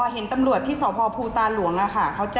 อ่อเห็นตำรวจที่ศพภูตาลหลวงอะค่ะ